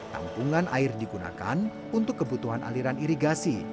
tampungan air digunakan untuk kebutuhan aliran irigasi